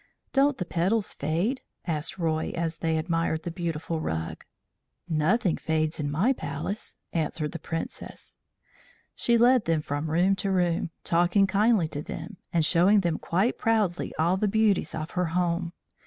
"Don't the petals fade?" asked Roy as they admired the beautiful rug. "Nothing fades in my Palace," answered the Princess. She led them from room to room, talking kindly to them, and showing them quite proudly all the beauties of her home.